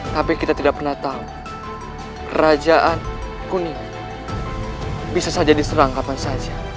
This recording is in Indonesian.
tapi kita tidak pernah tahu kerajaan kuning bisa saja diserang kapan saja